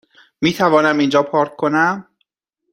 میتوانم اینجا پارک کنم؟